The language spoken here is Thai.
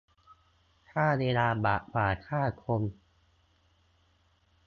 ฆ่าเวลาบาปกว่าฆ่าคน